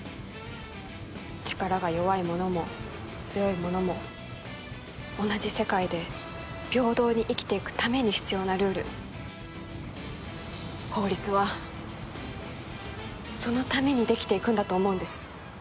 力が弱い者も強い者も同じ世界で平等に生きていくために必要なルール、法律は、そのためにできていくんだと思うんです。